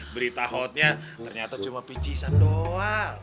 berita hotnya ternyata cuma picisan doang